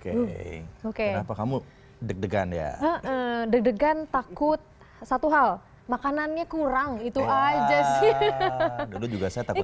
oke kenapa kamu deg degan ya deg degan takut satu hal makanannya kurang itu aja sih